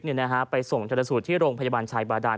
ไปส่งจริงแจ้งสูตรที่โรงพยาบาลชายบาดาล